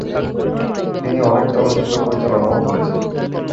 তিনি অনেক চলচ্চিত্র পরিচালনাও করেছেন।